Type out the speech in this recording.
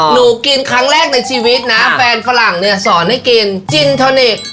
หนูกินครั้งแรกในชีวิตนะแฟนฝรั่งเนี่ยสอนให้กินจินทอนิกส์